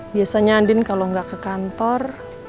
biasanya andin kalau nggak ke kantor